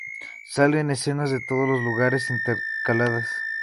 Salen escenas de todos los lugares intercaladas.